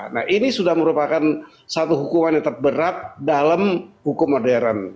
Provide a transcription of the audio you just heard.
nah ini sudah merupakan satu hukuman yang terberat dalam hukum modern